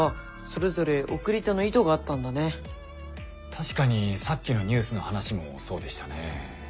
確かにさっきのニュースの話もそうでしたね。